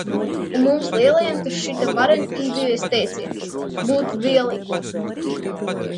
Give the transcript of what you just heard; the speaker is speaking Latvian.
Un mums, lielajiem, tas šķita varen izdevies teiciens – "būt dvielī".